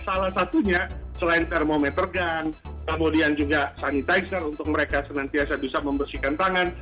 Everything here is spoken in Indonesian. salah satunya selain termometer gun kemudian juga sanitizer untuk mereka senantiasa bisa membersihkan tangan